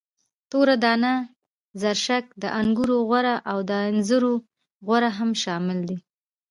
توره دانه، زرشک، د انګورو غوره او د انځرو غوره هم شامل دي.